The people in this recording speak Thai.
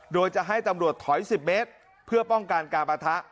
โดยจะให้ตำรวจถอย๑๐เมตรเพื่อป้องกันการปะทะ